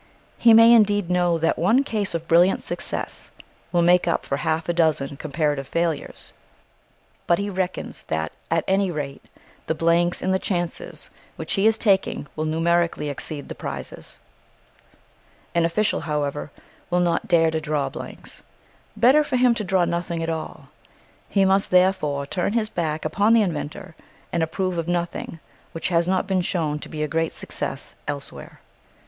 He may indeed know that one case of brilliant success will make up for half a dozen comparative failures; but he reckons that at any rate the blanks in the chances which he is taking will numerically exceed the prizes. An official, however, will not dare to draw blanks. Better for him to draw nothing at all. He must therefore turn his back upon the inventor and approve of nothing which has not been shown to be a great success elsewhere.